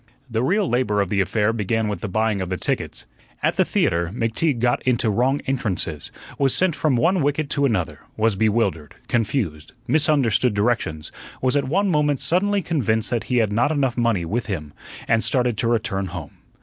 The real labor of the affair began with the buying of the tickets. At the theatre McTeague got into wrong entrances; was sent from one wicket to another; was bewildered, confused; misunderstood directions; was at one moment suddenly convinced that he had not enough money with him, and started to return home.